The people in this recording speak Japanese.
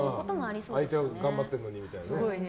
相手は頑張ってるのにみたいなね。